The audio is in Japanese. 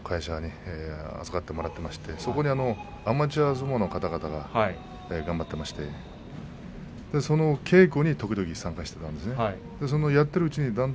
摂津倉庫という会社に預かってもらっていましてアマチュア相撲の方々が頑張っていましてその稽古に時々参加していたんです。